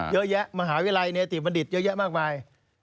เยอะแยะมหาวิทยาลัยเนติบัณฑิตเยอะแยะมากมาย